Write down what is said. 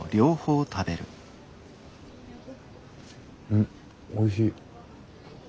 うんおいしい。